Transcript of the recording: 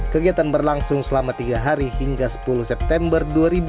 kegiatan berlangsung selama tiga hari hingga sepuluh september dua ribu dua puluh